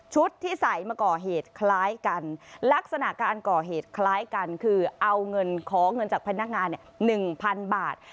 ที่ใส่มาก่อเหตุคล้ายกันลักษณะการก่อเหตุคล้ายกันคือเอาเงินขอเงินจากพนักงาน๑๐๐๐บาท